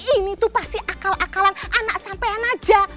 ini tuh pasti akal akalan anak sampean aja